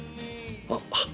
あっ。